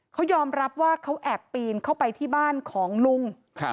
เขายอมรับว่าเขาแอบปีนเข้าไปที่บ้านของลุง